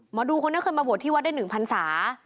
หมอดูคนนี้เคยมาบวชที่วัดได้๑๐๐๐สา